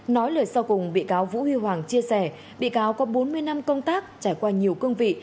nói lời sau cùng bị cáo vũ huy hoàng chia sẻ bị cáo có bốn mươi năm công tác trải qua nhiều cương vị